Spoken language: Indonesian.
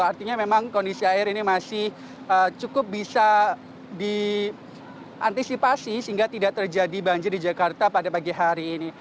artinya memang kondisi air ini masih cukup bisa diantisipasi sehingga tidak terjadi banjir di jakarta pada pagi hari ini